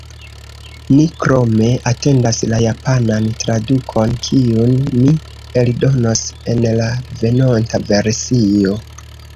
Ni krome atendas la japanan tradukon, kiun ni eldonos en la venonta versio.